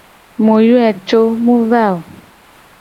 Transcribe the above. Mu yoe co mu va o.